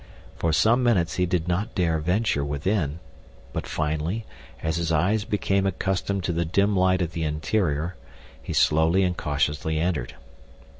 For some minutes he did not dare venture within, but finally, as his eyes became accustomed to the dim light of the interior he slowly and cautiously entered.